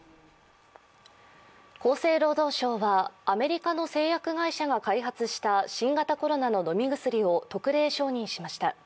厚生労働省はアメリカの製薬会社が開発した新型コロナの飲み薬を特例承認しました。